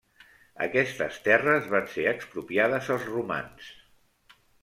Aquestes terres van ser expropiades als romans.